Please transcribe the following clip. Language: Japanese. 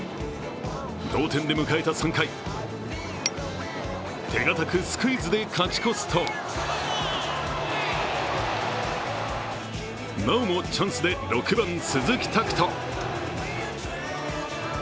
同点で迎えた３回手堅くスクイズで勝ち越すとなおもチャンスで６番・鈴木拓斗。